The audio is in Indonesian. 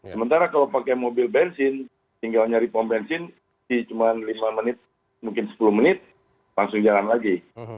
sementara kalau pakai mobil bensin tinggal nyari pom bensin cuma lima menit mungkin sepuluh menit langsung jalan lagi